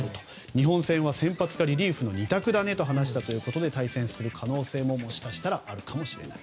日本戦は先発かリリーフの２択だねと話したということで対戦する可能性ももしかしたらあるかもしれません。